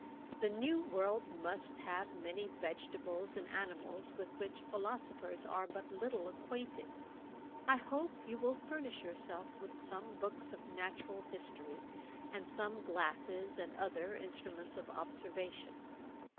The new world must have many vegetables and animals with which philosophers are but little acquainted. I hope you will furnish yourself with some books of natural history, and some glasses and other instruments of observation.